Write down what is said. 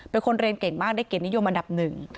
เป็นคนเรียนเก่งมากได้เกียรตินิยมอันดับหนึ่ง